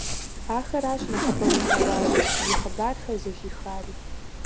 Ахэращ нэхъыбэу илъэгъуари, зи хъыбархэр зэхихари.